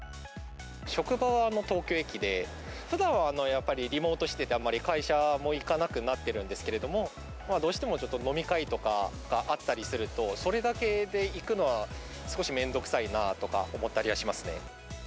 職場は東京駅で、ふだんはやっぱり、リモートしてて、あんまり会社も行かなくなってるんですけれども、どうしても飲み会とかがあったりすると、それだけで行くのは、少しめんどくさいなとか思ったりはしますね。